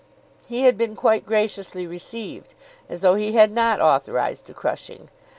He had been quite graciously received, as though he had not authorised the crushing.